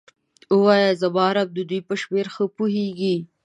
ووایه زما رب د دوی په شمیر ښه پوهیږي.